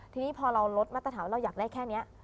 ทีนี้พอเราลดมาตรฐานว่าเราอยากได้แค่นี้